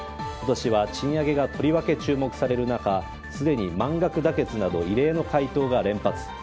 今年は賃上げがとりわけ注目される中すでに満額妥結など異例の回答が連発。